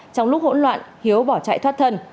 trong lúc hỗn loạn hiếu bỏ chạy thoát thân